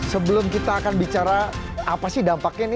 sebelum kita akan bicara apa sih dampaknya ini